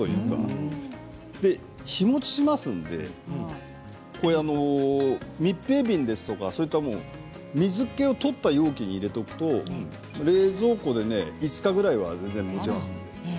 あと日もちしますんで密閉瓶ですとか水けを取った容器に入れておくと冷蔵庫で５日ぐらいは大体、もちますので。